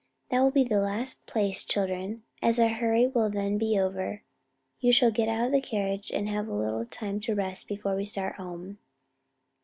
That will be the last place, children, and as our hurry will then be over, you shall get out of the carriage and have a little time to rest before we start for home."